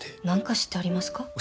何か知ってはりますか？